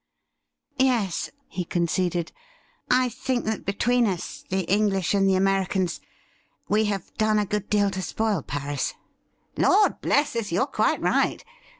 ' Yes,' he conceded, ' I think that between us — ^the English and the Americans — we have done a good deal to spoil Paris.' ' Lord bless us ! you're quite right.